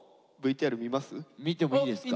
見てもいいですか？